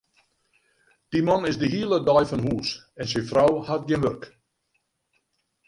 Dy man is de hiele dei fan hús en syn frou hat gjin wurk.